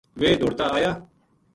ویہ دوڑتا آیا